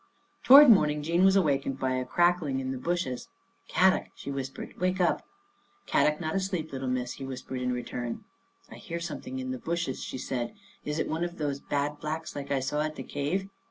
Toward morning Jean was awakened by a crackling in the bushes. " Kadok," she whis pered. " Wake up." " Kadok not asleep, little Missa," he whis pered in return. Dandy Saves the Day 125 " I hear something in the bushes," she said. " Is it one of those bad Blacks like I saw at the cave?